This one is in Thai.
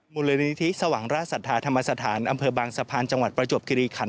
มูลนิธิสว่างราชศรัทธาธรรมสถานอำเภอบางสะพานจังหวัดประจวบคิริขัน